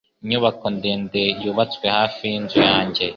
Inyubako ndende yubatswe hafi yinzu yanjye.